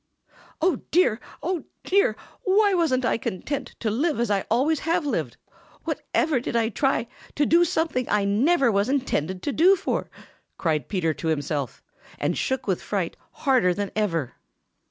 "Oh, dear! Oh, dear! Why wasn't I content to live as I always have lived? Whatever did I try to do something I never was intended to do for?" cried Peter to himself, and shook with fright harder than ever.